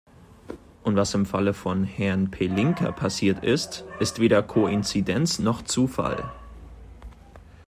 Und was im Falle von Herrn Pelinka passiert ist, ist weder Koinzidenz noch Zufall.